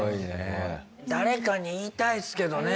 誰かに言いたいですけどね